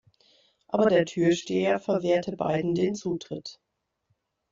Aber der Türsteher verwehrte beiden den Zutritt.